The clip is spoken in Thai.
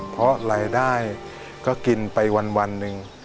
เพราะรายได้ก็กินไปวันหนึ่ง